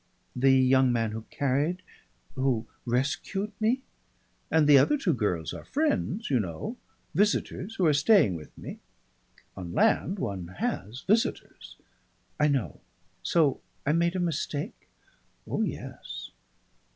"The young man who carried who rescued me?" "Yes. And the other two girls are friends, you know, visitors who are staying with me. On land one has visitors " "I know. So I made a mistake?" "Oh yes."